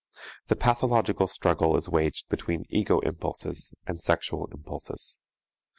The pathological struggle is waged between ego impulses and sexual impulses.